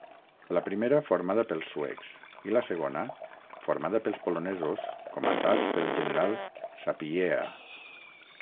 La primera formada pels suecs i la segona formada pels polonesos comandats pel general Sapieha.